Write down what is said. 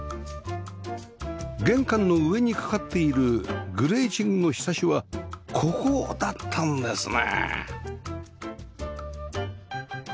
玄関の上にかかっているグレーチングの庇はここだったんですね